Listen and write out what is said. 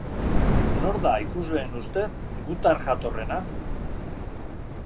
Nor da, ikusleen ustez, gutar jatorrena?